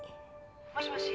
もしもし？